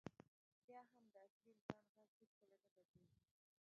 بیا هم د اصلي انسان غږ هېڅکله نه بدلېږي.